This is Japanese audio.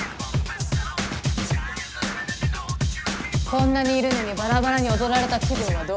こんなにいるのにばらばらに踊られた気分はどう？